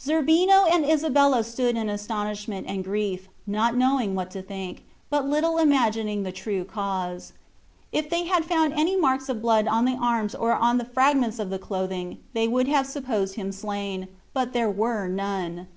Zerbino and Isabella stood in astonishment and grief, not knowing what to think, but little imagining the true cause. If they had found any marks of blood on the arms or on the fragments of the clothing, they would have supposed him slain, but there were none.